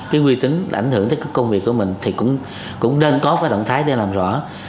cái uy tín ảnh hưởng đến cái công việc của mình thì cũng cũng nên có cái động thái để làm rõ